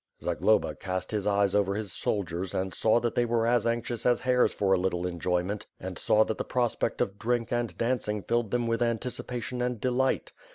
Zagloba cast his eyes over his soldiers and saw that they were as anxious as hares for a little enjoyment and saw that the prospect of drink and dancing filled them with anticipation and delight.